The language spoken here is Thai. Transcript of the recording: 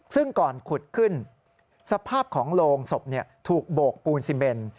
ซึ่งก่อนขุดขึ้นสภาพของโรงศพถูกโบกปูนซีเมน